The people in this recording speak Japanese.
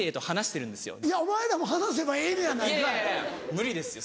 無理ですよ